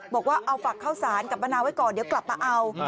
บอกว่าเอาฝักข้าวสารกับมะนาวไว้ก่อนเดี๋ยวกลับมาเอา